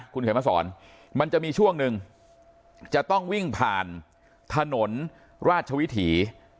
คุณเขียนมาสอนมันจะมีช่วงหนึ่งจะต้องวิ่งผ่านถนนราชวิถี